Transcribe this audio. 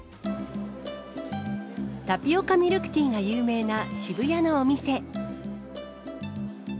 タピオカミルクティーが有名な渋谷のお店。